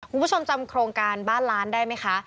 คุณผู้ชมจำโครงการบ้านล้านได้ไหมคะ